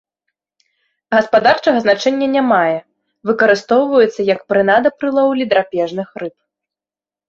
Гаспадарчага значэння не мае, выкарыстоўваецца як прынада пры лоўлі драпежных рыб.